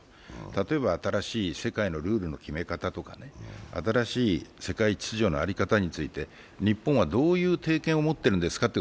例えば新しい世界のルールの決め方とか、新しい世界秩序の在り方について日本はどういう定見を持ってるんですかと。